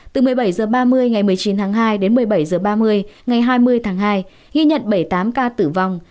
từ một mươi bảy h ba mươi ngày một mươi chín tháng hai đến một mươi bảy h ba mươi ngày hai mươi tháng hai ghi nhận bảy mươi tám ca tử vong